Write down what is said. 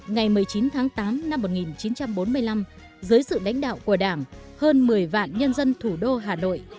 ngày một mươi chín tháng tám năm một nghìn chín trăm bốn mươi năm dưới sự lãnh đạo của đảng hơn một mươi vạn nhân dân thủ đô hà nội